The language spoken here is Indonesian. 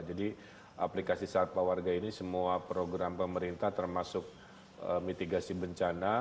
jadi aplikasi sapa warga ini semua program pemerintah termasuk mitigasi bencana